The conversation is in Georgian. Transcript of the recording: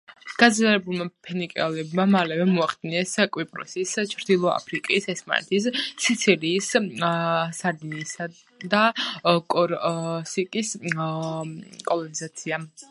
გაძლიერებულმა ფინიკიელებმა მალევე მოახდინეს კვიპროსის, ჩრდილო აფრიკის, ესპანეთის, სიცილიის, სარდინიისა და კორსიკის კოლონიზაცია.